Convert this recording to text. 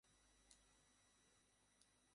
আমার আব্বার বিশাল খামার ছিল।